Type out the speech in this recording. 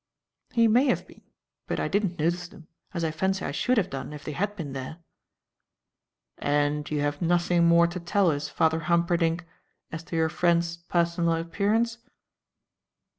"He may have been, but I didn't notice them, as I fancy I should have done if they had been there." "And you have nothing more to tell us, Father Humperdinck, as to your friend's personal appearance?"